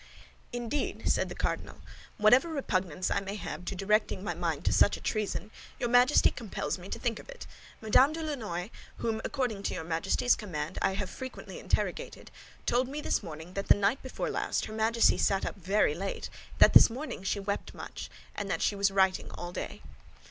"Indeed," said the cardinal, "whatever repugnance I may have to directing my mind to such a treason, your Majesty compels me to think of it. Madame de Lannoy, whom, according to your Majesty's command, I have frequently interrogated, told me this morning that the night before last her Majesty sat up very late, that this morning she wept much, and that she was writing all day."